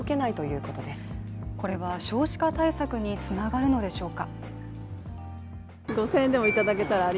これは少子化対策につながるのでしょうか。